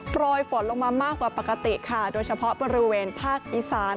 โรยฝนลงมามากกว่าปกติค่ะโดยเฉพาะบริเวณภาคอีสาน